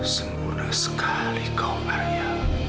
sempurna sekali kau arya